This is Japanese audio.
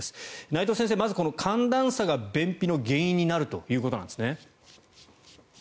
内藤先生、まずこの寒暖差が便秘の原因になるということなんですね？